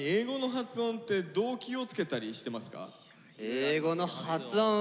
英語の発音は。